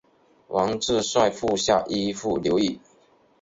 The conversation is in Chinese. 王质率部下依附留异。